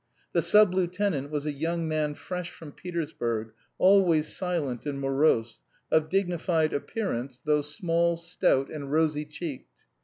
The sub lieutenant was a young man fresh from Petersburg, always silent and morose, of dignified appearance though small, stout, and rosy cheeked.